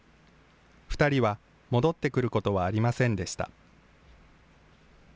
２人は戻ってくることはありませんでした。